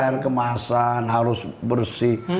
air kemasan harus bersih